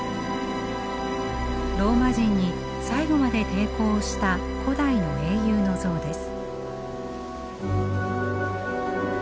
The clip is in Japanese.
ローマ人に最後まで抵抗をした古代の英雄の像です。